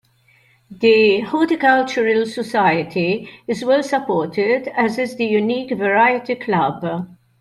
The Horticultural Society is well supported as is the unique Variety Club.